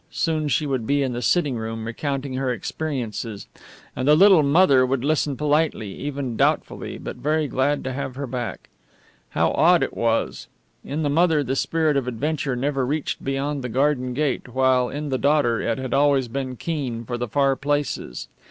Soon she would be in the sitting room recounting her experiences; and the little mother would listen politely, even doubtfully, but very glad to have her back. How odd it was! In the mother the spirit of adventure never reached beyond the garden gate, while in the daughter it had always been keen for the far places.